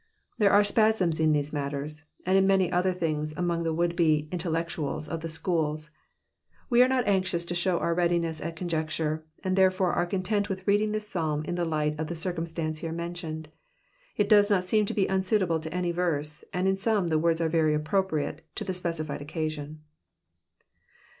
Tkere are spasms in tkese matters, and in many other things among tke loould be •* intellectuals " of tke sckools. We are not anxious to show our readiness at conjecture, and therefore are content witk reading tkis Psalm in the light of the circumstance here mentioned ; it does not seem unsuitable to any verse, and in some the words are very appropriate to the specified occasion.